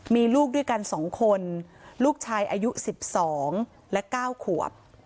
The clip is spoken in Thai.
มีลูกด้วยกันสองคนลูกชายอายุสิบสองและเก้าขวบ